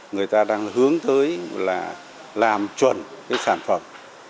người ta đang hướng tới là làm chuẩn cái sản phẩm